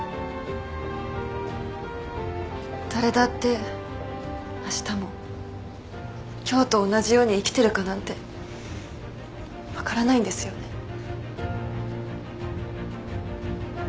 誰だってあしたも今日と同じように生きてるかなんて分からないんですよね。